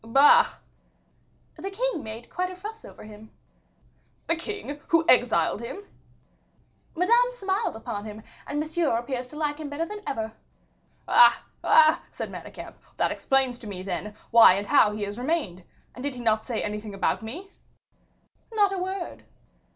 "Bah!" "The king made quite a fuss over him." "The king, who exiled him!" "Madame smiled upon him, and Monsieur appears to like him better than ever." "Ah! ah!" said Manicamp, "that explains to me, then, why and how he has remained. And did he not say anything about me?" "Not a word."